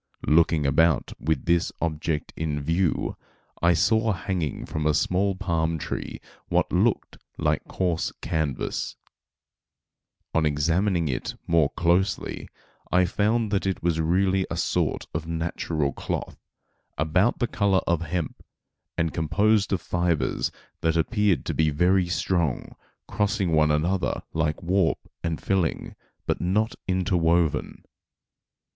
Looking about with this object in view, I saw hanging from a small palm tree what looked like coarse canvas. On examining it more closely, I found that it was really a sort of natural cloth, about the color of hemp, and composed of fibres that appeared to be very strong, crossing one another like warp and filling, but not interwoven.